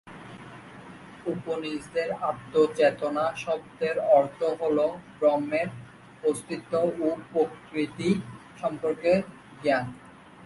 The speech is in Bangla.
উপনিষদে আত্ম-চেতনা শব্দের অর্থ হল ব্রহ্মের অস্তিত্ব ও প্রকৃতি সম্পর্কে জ্ঞান।